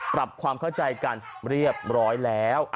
ปรับความเข้าใจกันเรียบร้อยแล้ว